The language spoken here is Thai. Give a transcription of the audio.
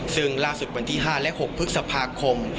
ซึ่งล่าสุดวันที่๕และ๖พฤษภาคม